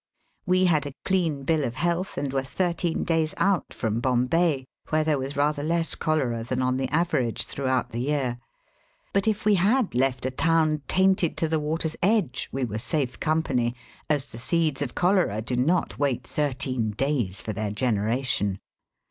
We had a clean bill of health, and were thirteen days out from Bom bay, where there was rather less cholera than on the average throughout the year; but if we had left a town tainted to the water's edge we were safe company, as the seeds of cholera do not wait thirteen days for their generation.